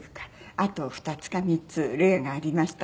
あと２つか３つ例がありました。